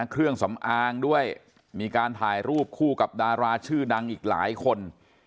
เครื่องสำอางด้วยมีการถ่ายรูปคู่กับดาราชื่อดังอีกหลายคน